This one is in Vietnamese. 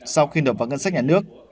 sau khi đột vào ngân sách nhà nước